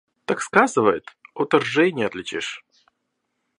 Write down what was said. Так сказывает, ото ржей не отличишь.